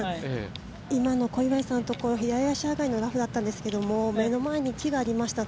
今の小祝さんのところ、左足上がりのラフだったんですけど目の前に木がありました